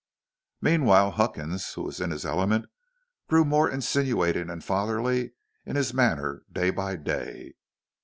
Meanwhile Huckins, who was in his element, grew more insinuating and fatherly in his manner, day by day.